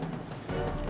ini dia mas